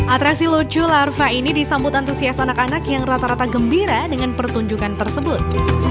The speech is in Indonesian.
atrasi lucu larva ini disambut antusias anak anak yang rata rata gembira dengan pertunjukan tersebut